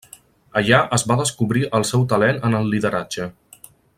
Allà es va descobrir el seu talent en el lideratge.